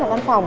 ở văn phòng